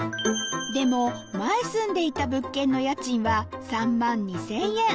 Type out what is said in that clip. でも前住んでいた物件の家賃は３万２０００円